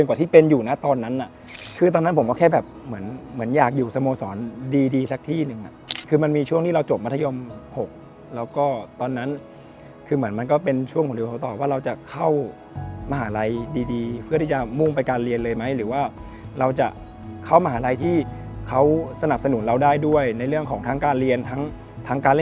กว่าที่เป็นอยู่นะตอนนั้นน่ะคือตอนนั้นผมก็แค่แบบเหมือนเหมือนอยากอยู่สโมสรดีดีสักที่หนึ่งอ่ะคือมันมีช่วงที่เราจบมัธยม๖แล้วก็ตอนนั้นคือเหมือนมันก็เป็นช่วงหัวเร็วเขาตอบว่าเราจะเข้ามหาลัยดีดีเพื่อที่จะมุ่งไปการเรียนเลยไหมหรือว่าเราจะเข้ามหาลัยที่เขาสนับสนุนเราได้ด้วยในเรื่องของทั้งการเรียนทั้งทั้งการเล่น